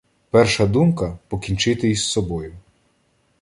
Перша думка — покінчити із собою.